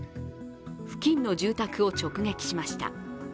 付近の住宅を直撃しました。